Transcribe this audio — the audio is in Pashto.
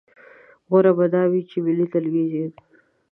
غوره به دا وي چې ملي ټلویزیون.